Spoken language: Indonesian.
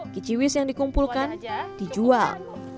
kiciwis yang dikumpulkan dijual